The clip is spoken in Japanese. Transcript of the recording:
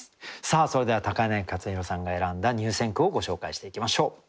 それでは柳克弘さんが選んだ入選句をご紹介していきましょう。